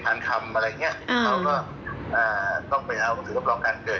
ถ้าเกิดในไทยก็ต้องมีหน้าสือรับรองการเกิด